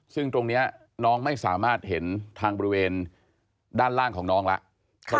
ซึ่งตรงนี้น้องไม่สามารถเห็นทางบริเวณด้านล่างของน้องแล้ว